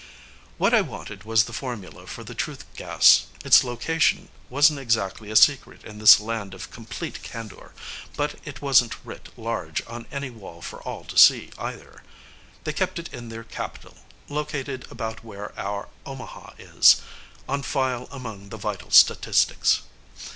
What I wanted was the formula for the truth gas. Its location wasn't exactly a secret in this land of complete candor, but it wasn't writ large on any wall for all to see, either. They kept it in their capital located about where our Omaha is on file among the Vital Statistics.